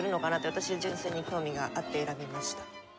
私は純粋に興味があって選びました。